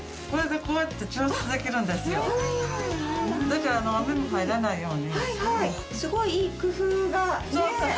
だから雨も入らないように。